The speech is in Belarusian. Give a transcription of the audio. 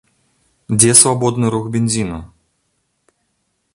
Дзе свабодны рух бензіну?